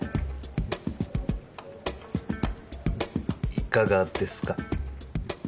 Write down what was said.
いかがですか？